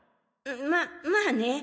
ままあね。